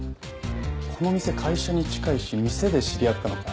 この店会社に近いし店で知り合ったのか？